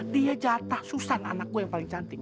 dia jatah susan anak gue yang paling cantik